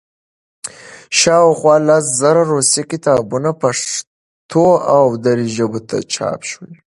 شاوخوا لس زره روسي کتابونه پښتو او دري ژبو ته چاپ شوي.